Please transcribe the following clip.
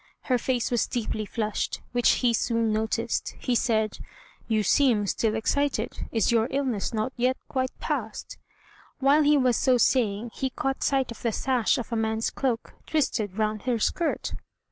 Her face was deeply flushed, which he soon noticed. He said, "You seem still excited; is your illness not yet quite passed?" While he was so saying he caught sight of the sash of a man's cloak, twisted round her skirt.